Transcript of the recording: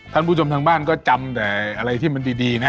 ท่านผู้ชมทางบ้านก็จำแต่อะไรที่มันดีนะ